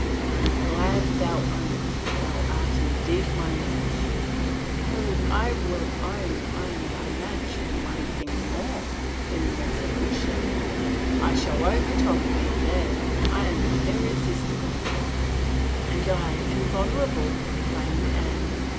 " I am glad thou ownest thou art indeed my match." " Oh, I will own I am thy match in one thing more — in resolution I "" I shall o'ertop thee there — I am irresistible." 89 THE FAVOR OF KINGS " And I invulnerable," proclaimed Anne.